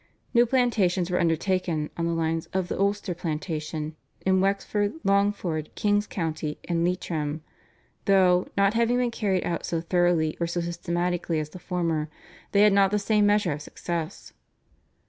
New plantations were undertaken, on the lines of the Ulster Plantation, in Wexford, Longford, King's County, and Leitrim, though, not having been carried out so thoroughly or so systematically as the former, they had not the same measure of success.